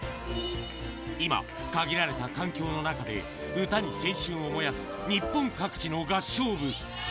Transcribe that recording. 今、限られた環境の中で歌に青春を燃やす日本各地の合唱部。